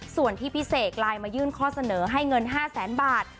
ส่วนที่พี่เสกไลน์มายื่นข้อเสนอให้เงิน๕แสนบาท